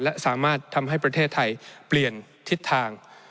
และสามารถทำให้ประเทศไทยเปลี่ยนทิศทาง